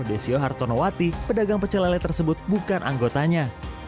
desio hartonowati pedagang pecelele tersebut bukan anggotanya